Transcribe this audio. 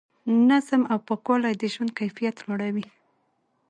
نظم او پاکوالی د ژوند کیفیت لوړوي.